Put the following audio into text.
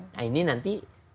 nah ini nanti